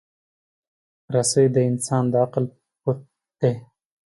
رسۍ د انسان د عقل پُت دی.